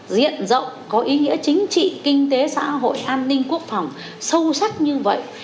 diện rộng có ý nghĩa chính trị kinh tế xã hội an ninh quốc phòng sâu sắc như vậy